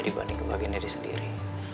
dibanding kebahagiaannya di sendiri